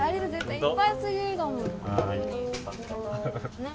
いっぱいすぎるんだもん